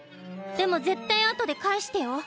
でも絶対後で返してよ。